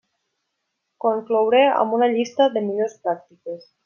Conclouré amb una llista de millors pràctiques.